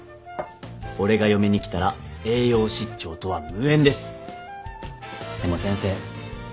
俺が嫁に来たら栄養失調とは無縁ですでも先生